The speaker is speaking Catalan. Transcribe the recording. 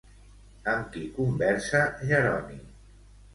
Amb qui conversa Jeroni?